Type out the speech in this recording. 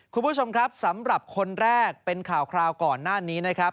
คุณผู้ชมครับสำหรับคนแรกเป็นข่าวคราวก่อนหน้านี้นะครับ